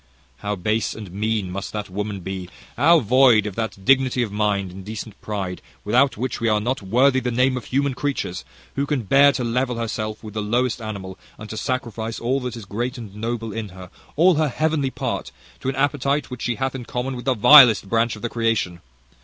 "How base and mean must that woman be, how void of that dignity of mind, and decent pride, without which we are not worthy the name of human creatures, who can bear to level herself with the lowest animal, and to sacrifice all that is great and noble in her, all her heavenly part, to an appetite which she hath in common with the vilest branch of the creation!